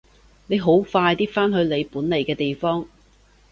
你好快啲返去你本來嘅地方！